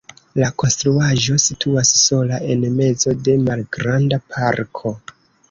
La konstruaĵo situas sola en mezo de malgranda parko.